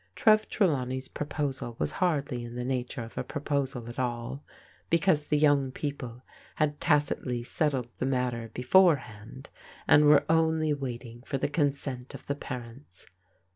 Trev Trelawney's proposal was hardly in the nature of a proposal at all, because the young people had tacitly settled the matter beforehand, and were only waiting for the consent of the parents.